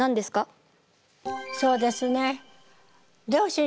そうですね両親